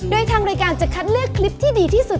โดยทางรายการจะคัดเลือกคลิปที่ดีที่สุด